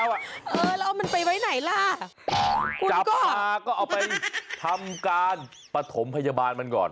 แล้วเอามันไปไว้ไหนล่ะจับมาก็เอาไปทำการปฐมพยาบาลมันก่อน